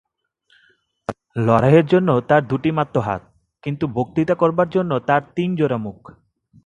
লড়াইয়ের জন্যে তাঁর দুটিমাত্র হাত, কিন্তু বক্তৃতা করবার জন্যে তাঁর তিন-জোড়া মুখ।